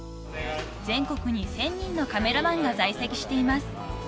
［全国に１，０００人のカメラマンが在籍しています］